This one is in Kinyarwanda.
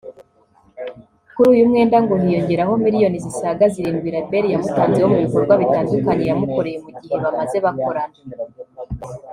Kuri uyu mwenda ngo hiyongeraho miliyoni zisaga zirindwi label yamutanzeho mu bikorwa bitandukanye yamukoreye mu gihe bamaze bakorana